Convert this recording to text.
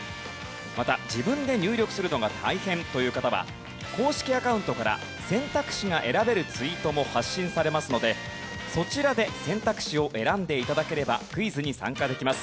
また自分で入力するのが大変という方は公式アカウントから選択肢が選べるツイートも発信されますのでそちらで選択肢を選んで頂ければクイズに参加できます。